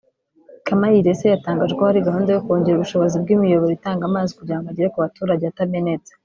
Kamayirese yatangaje ko hari gahunda yo kongera ubushobozi bw’imiyoboro itanga amazi kugira ngo agere ku baturage atamenetse